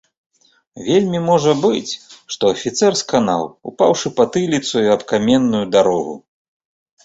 Вельмі можа быць, што афіцэр сканаў, упаўшы патыліцаю аб каменную дарогу.